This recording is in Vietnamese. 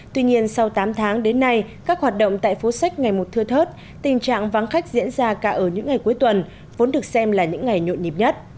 tuy nhiên sau tám tháng đến nay các hoạt động tại phố sách ngày một thưa thớt tình trạng vắng khách diễn ra cả ở những ngày cuối tuần vốn được xem là những ngày nhộn nhịp nhất